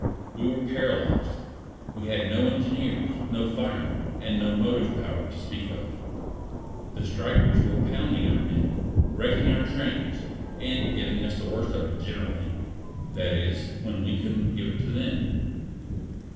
We were paralyzed. We had no engineers, no firemen, and no motive power to speak of. The strikers were pounding our men, wrecking our trains, and giving us the worst of it generally; that is, when we couldn't give it to them.